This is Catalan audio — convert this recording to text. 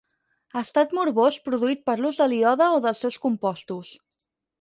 Estat morbós produït per l'ús del iode o dels seus compostos.